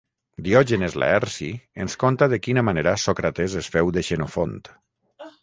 Diògenes Laerci ens conta de quina manera Sòcrates es féu de Xenofont